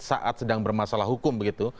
saat sedang bermasalah hukum begitu